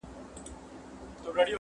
په خامه خوله وعده پخه ستایمه.